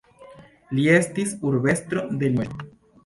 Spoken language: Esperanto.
Li estis urbestro de Limoĝo.